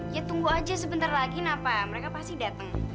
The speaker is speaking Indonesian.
ya tunggu aja sebentar lagi napa mereka pasti datang